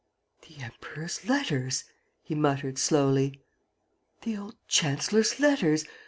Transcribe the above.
"The Emperor's letters!" he muttered, slowly. "The old chancellor's letters!